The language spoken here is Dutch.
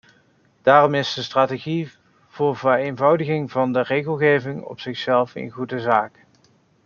Daarom is de strategie voor vereenvoudiging van de regelgeving op zichzelf een goede zaak.